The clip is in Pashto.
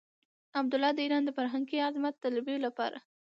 عبدالله د ايران د فرهنګي عظمت طلبۍ لپاره.